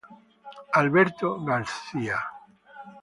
Alberto García